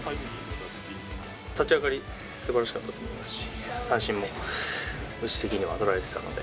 立ち上がり、すばらしかったと思いますし、三振も、うち的には取られてたので。